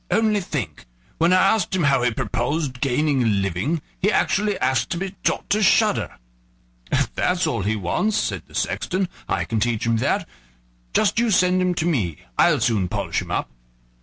"Only think! when I asked him how he purposed gaining a livelihood, he actually asked to be taught to shudder." "If that's all he wants," said the sexton, "I can teach him that; just you send him to me, I'll soon polish him up."